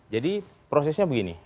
jadi prosesnya begini